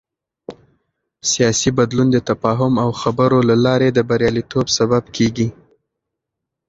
سیاسي بدلون د تفاهم او خبرو له لارې د بریالیتوب سبب کېږي